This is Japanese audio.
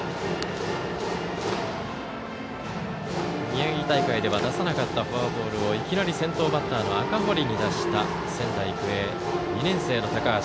宮城大会で出さなかったフォアボールをいきなり先頭バッターの赤堀に出した仙台育英、２年生の高橋。